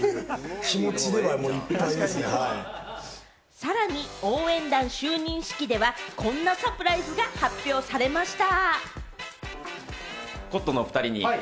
さらに応援団就任式では、こんなサプライズが発表されました！